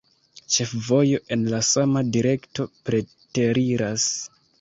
Ĉefvojo en la sama direkto preteriras.